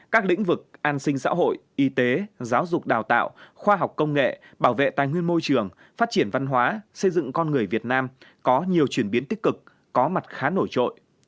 các lĩnh vực an sinh xã hội y tế giáo dục đào tạo khoa học công nghệ bảo vệ tài nguyên môi trường phát triển văn hóa xây dựng con người việt nam có nhiều chuyển biến tích cực có mặt khá nổi trội